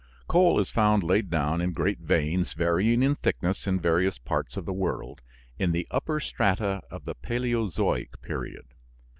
Coal is found laid down in great veins, varying in thickness, in various parts of the world in the upper strata of the Paleozoic period.